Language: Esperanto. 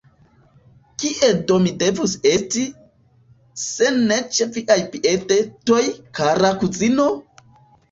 Kie do mi devus esti, se ne ĉe viaj piedetoj, kara kuzino?